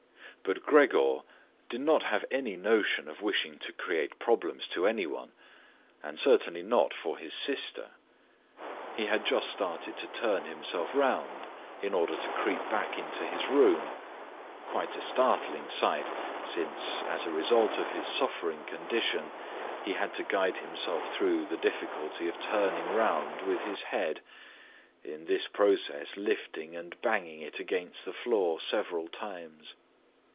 But Gregor did not have any notion of wishing to create problems for anyone and certainly not for his sister. He had just started to turn himself around in order to creep back into his room, quite a startling sight, since, as a result of his suffering condition, he had to guide himself through the difficulty of turning around with his head, in this process lifting and banging it against the floor several times.